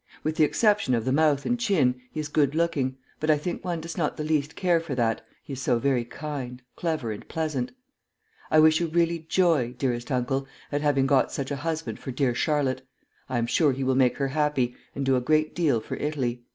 With the exception of the mouth and chin, he is good looking, but I think one does not the least care for that, he is so very kind, clever, and pleasant. I wish you really joy, dearest uncle, at having got such a husband for dear Charlotte. I am sure he will make her happy, and do a great deal for Italy."